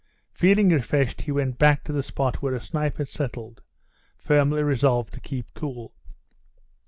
Feeling refreshed, he went back to the spot where a snipe had settled, firmly resolved to keep cool.